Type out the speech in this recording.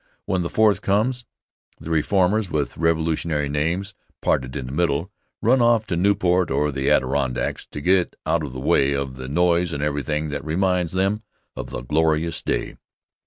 When the Fourth comes, the reformers, with Revolutionary names parted in the middle, run off to Newport or the Adirondacks to get out of the way of the noise and everything that reminds them of the glorious day.